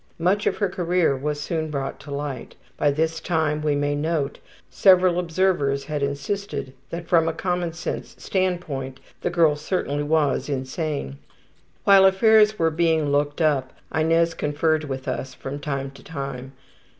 Much of her career was soon brought to light. By this time, we may note, several observers had insisted that from a commonsense standpoint the girl certainly was insane. While affairs were being looked up, Inez conferred with us from time to time.